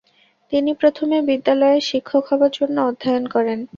তিনি প্রথমে বিদ্যালয়ের শিক্ষক হবার জন্য অধ্যয়ন করেন।